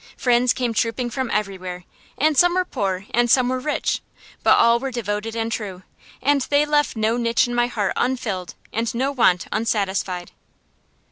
Friends came trooping from everywhere, and some were poor, and some were rich, but all were devoted and true; and they left no niche in my heart unfilled, and no want unsatisfied.